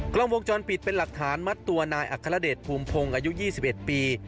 กล้องวงจรปิดเป็นหลักฐานมัดตัวนายอัครเดชภูมิพงศ์อายุ๒๑ปี